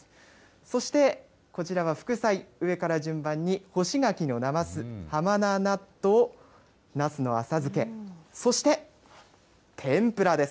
そしてこちらは副菜、上から順番に干し柿のなます、浜名納豆、なすの浅漬け、そして、天ぷらです。